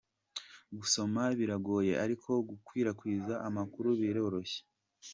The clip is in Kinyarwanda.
Gusoma biragoye, ariko gukwirakwiza amakuru biroroshye.